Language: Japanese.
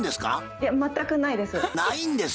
いや全くないです。